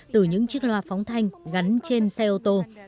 từ những chiếc loa phóng thanh gắn trên xe ô tô